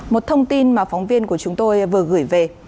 một thông tin mà phóng viên của chúng tôi vừa gửi về